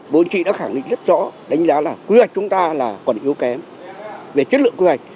bộ chính trị đã khẳng định rất rõ đánh giá là quy hoạch chúng ta là còn yếu kém về chất lượng quy hoạch